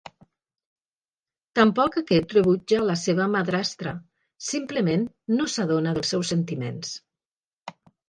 Tampoc aquest rebutja la seva madrastra, simplement no s’adona dels seus sentiments.